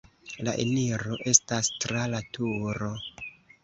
La eniro estas tra la turo.